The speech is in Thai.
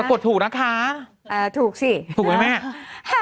กดถูกนะคะถูกสิถูกไหมแม่